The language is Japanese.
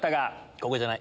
ここじゃない。